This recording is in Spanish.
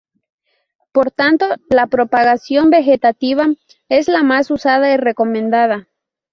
Por tanto, la propagación vegetativa es la más usada y recomendada.